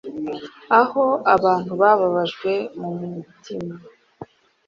Aho abantu babajwe mumutima